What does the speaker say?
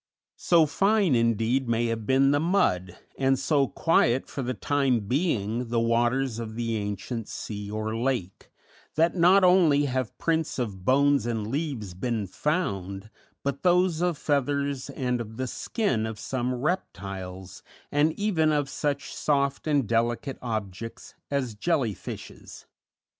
So fine, indeed, may have been the mud, and so quiet for the time being the waters of the ancient sea or lake, that not only have prints of bones and leaves been found, but those of feathers and of the skin of some reptiles, and even of such soft and delicate objects as jelly fishes.